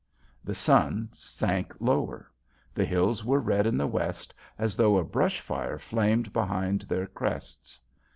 The sun sank lower. The hills were red in the west as though a brush fire flamed behind their crests.